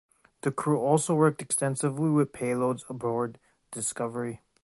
The crew also worked extensively with payloads aboard Discovery.